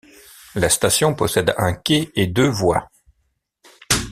La station possède un quai et deux voies.